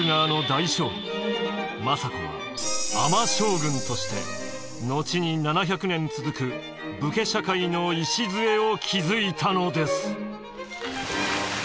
政子は尼将軍として後に７００年続く武家社会の礎を築いたのです。